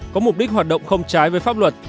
có mục đích hoạt động không trái với pháp luật